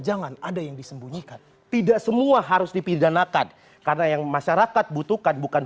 jangan ada yang disembunyikan tidak semua harus dipidanakan karena yang masyarakat butuhkan bukan